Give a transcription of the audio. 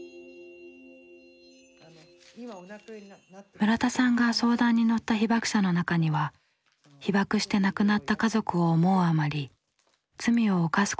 村田さんが相談に乗った被爆者の中には被爆して亡くなった家族を思うあまり罪を犯すことになった男性もいました。